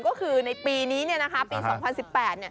ก็คือในปีนี้ปี๒๐๑๘